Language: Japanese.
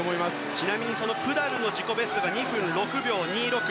ちなみにプダルの自己ベストは２分６秒２６。